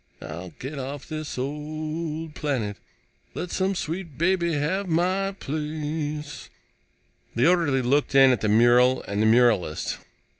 I'll get off this old planet, Let some sweet baby have my place. The orderly looked in at the mural and the muralist.